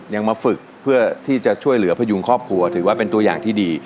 ยังมาฝึกเพื่อที่จะช่วยเหลือพยุงครอบครัวถือว่าเป็นตัวอย่างที่ดี